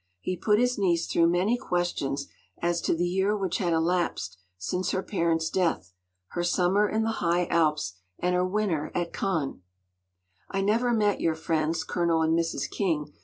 He put his niece through many questions as to the year which had elapsed since her parent’s death; her summer in the high Alps, and her winter at Cannes. “I never met your friends—Colonel and Mrs. King.